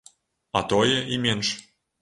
А тое і менш.